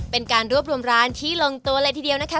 เป็นการรวบรวมร้านที่ลงตัวเลยทีเดียวนะคะ